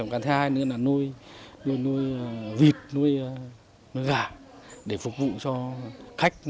cái thứ hai nữa là nuôi nuôi vịt nuôi gà để phục vụ cho khách